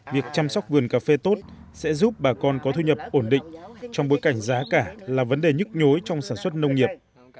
việc chăm sóc vườn cà phê tốt sẽ giúp bà con có thu nhập ổn định trong bối cảnh giá cả là vấn đề nhức nhối trong sản xuất nông nghiệp